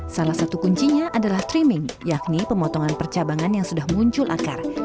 salah satu kuncinya adalah trimming yakni pemotongan percabangan yang sudah muncul akar